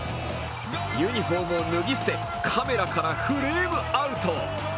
ユニフォームを脱ぎ捨てカメラからフレームアウト。